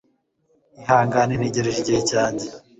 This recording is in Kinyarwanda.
Ihangane ntegereje igihe cyanjye